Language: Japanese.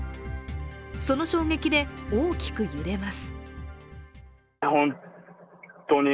その衝撃で大きく揺れます。